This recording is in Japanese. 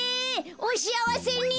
おしあわせに。